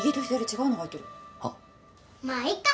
まあいっか！